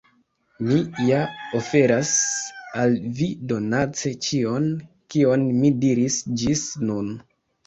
Mi ja oferas al vi donace ĉion, kion mi diris ĝis nun.